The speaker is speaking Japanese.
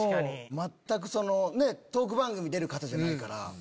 全くトーク番組出る方じゃないから。